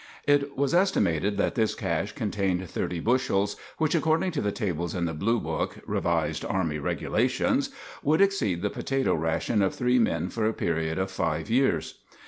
It was estimated that this cache contained thirty bushels, which, according to the table in the Blue Book (Revised Army Regulations), would exceed the potato ration of three men for a period of five years.